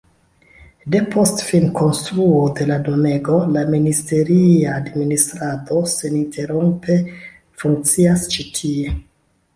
Depost finkonstruo de la domego la ministeria administrado seninterrompe funkcias ĉi tie.